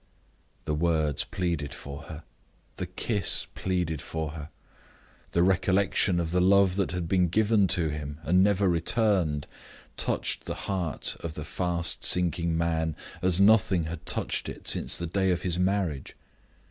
The words pleaded for her; the kiss pleaded for her; the recollection of the love that had been given to him, and never returned, touched the heart of the fast sinking man as nothing had touched it since the day of his marriage.